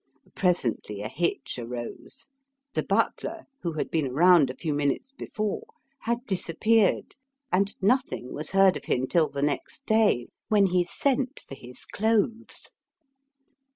Presently a hitch arose. The butler, who had been around a few minutes before, had disappeared, and nothing was heard of him till the next day, when he sent for his clothes.